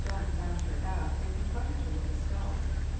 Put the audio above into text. Donne found her out, and confronted her with the skull.